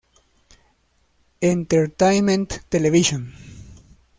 Entertainment Television'.